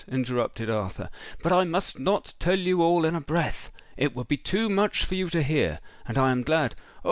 interrupted Arthur. "But I must not tell you all in a breath—it would be too much for you to hear:—and I am glad—Oh!